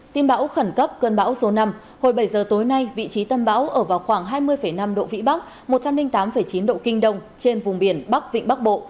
tin bão khẩn cấp cơn bão số năm hồi bảy giờ tối nay vị trí tâm bão ở vào khoảng hai mươi năm độ vĩ bắc một trăm linh tám chín độ kinh đông trên vùng biển bắc vịnh bắc bộ